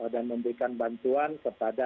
dan memberikan bantuan kepada